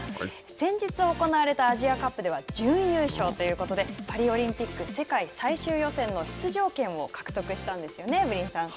先日行われたアジアカップでは準優勝ということで、パリオリンピック世界最終予選の出場権を獲得したんですよねエブリンさん。